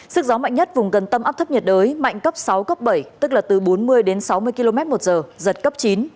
sức gió mạnh nhất vùng gần tâm áp thấp nhiệt đới mạnh cấp sáu cấp bảy tức là từ bốn mươi đến sáu mươi km một giờ giật cấp chín